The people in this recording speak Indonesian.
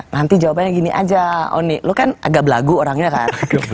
nanti jawabannya gini aja oh nih lu kan agak belagu orangnya kan